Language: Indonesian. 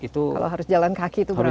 kalau harus jalan kaki itu berapa